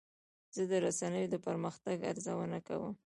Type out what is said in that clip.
زه د رسنیو د پرمختګ ارزونه کوم.